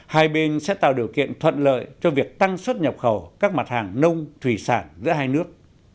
hai bên sẽ tạo điều kiện thuận lợi cho việc tăng xuất nhập khẩu các mặt hàng nông thủy sản giữa hai nước